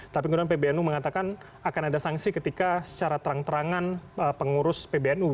tapi kemudian pbnu mengatakan akan ada sanksi ketika secara terang terangan pengurus pbnu